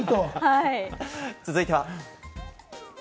続いては。